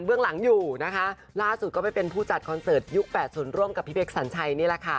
เรื่องหลังอยู่นะคะล่าสุดก็ไปเป็นผู้จัดคอนเสิร์ตยุค๘๐ร่วมกับพี่เป๊กสัญชัยนี่แหละค่ะ